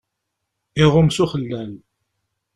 Iɣum s uxellal.